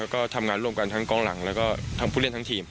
ก็ทำงานร่วมกันทั้งกองหลังแล้วก็ทั้งผู้เล่นทั้งทีม